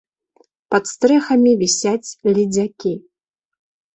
Пад стрэхамі вісяць ледзякі.